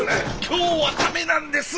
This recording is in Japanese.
今日はダメなんです！